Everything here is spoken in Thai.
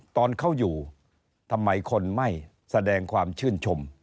ตอนเขาอยู่ทำไมคนไม่แสดงความชื่นชม